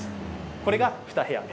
これが２部屋目。